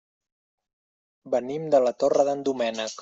Venim de la Torre d'en Doménec.